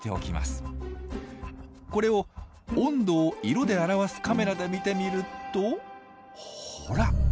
これを温度を色で表すカメラで見てみるとほら。